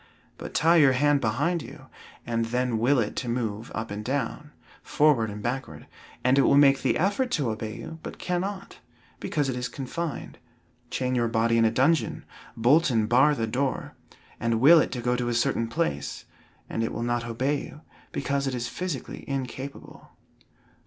But tie your hand behind you, and then will it to move up and down, forward and backward, and it will make the effort to obey you, but cannot, because it is confined. Chain your body in a dungeon, bolt and bar the door, and will it to go to a certain place, and it will not obey you, because it is physically incapable.